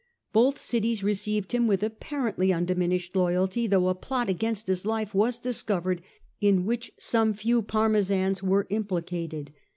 Both cities received him with apparently undiminished loyalty, though a plot against his life was discovered in which some few Parmesans were implicated.